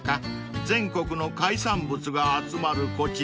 全国の海産物が集まるこちら］